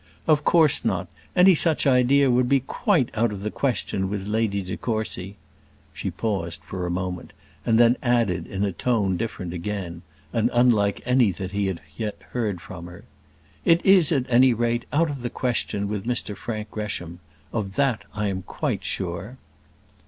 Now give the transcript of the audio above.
"Of course not: any such idea would be quite out of the question with Lady de Courcy." She paused for a moment, and then added in a tone different again, and unlike any that he had yet heard from her: "It is, at any rate, out of the question with Mr Frank Gresham of that I am quite sure."